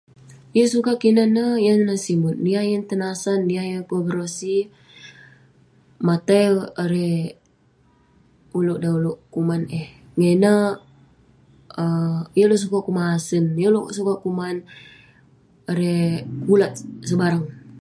Yah sukat kinan neh yan neh simut. Niah yeng tenasan, niah yeng peberosi, matai erei ulouk dan ulouk kuman eh. Ngah ineh um yeng ulouk sukat kuman asen, yeng ulouk sukat kuman erei ulat sebarang